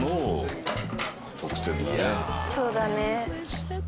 そうだね